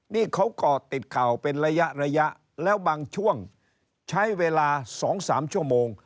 นี่เขาก่อติดข่าวเป็นระยะระยะแล้วบางช่วงใช้เวลา๒๓ชั่วโมง